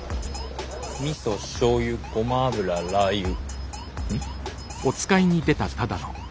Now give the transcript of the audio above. みそしょうゆごま油ラー油うん？